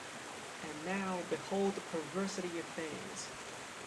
And now behold the perversity of things.